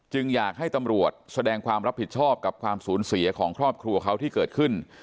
อยากให้ตำรวจแสดงความรับผิดชอบกับความสูญเสียของครอบครัวเขาที่เกิดขึ้น